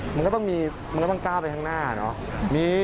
มันก็ต้องมีมันก็ต้องก้าวไปข้างหน้าเนอะ